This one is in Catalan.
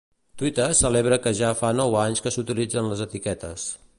Twitter celebra que ja fa nou anys que s'utilitzen les etiquetes.